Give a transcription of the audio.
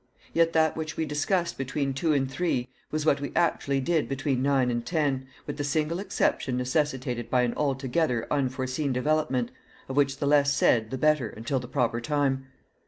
Yet that which we discussed between two and three was what we actually did between nine and ten, with the single exception necessitated by an altogether unforeseen development, of which the less said the better until the proper time.